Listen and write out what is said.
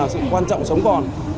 sự quan trọng sống còn